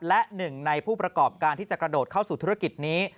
และหนึ่งในผู้ประกอบการที่จะกระโดดเข้าสู่ธุรกิจนี้